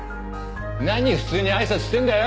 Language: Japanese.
何普通にあいさつしてんだよ！